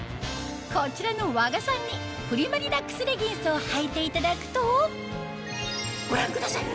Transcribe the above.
こちらの和賀さんにプリマリラックスレギンスをはいていただくとご覧ください！